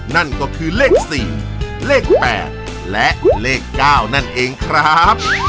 นั่นก็คือเลข๔เลข๘และเลข๙ครับ